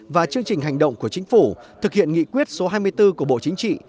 và chương trình hành động của chính phủ thực hiện nghị quyết số hai mươi bốn của bộ chính trị